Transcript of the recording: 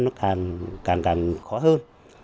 nó càng càng khó hơn